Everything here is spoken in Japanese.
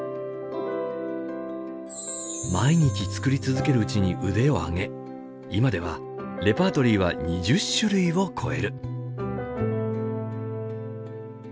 毎日作り続けるうちに腕を上げ今ではレパートリーは２０種類を超える。